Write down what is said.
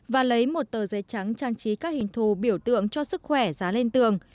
và lấy một tờ giấy trắng trang trí các hình thù biểu tượng cho sức khỏe giá lên tường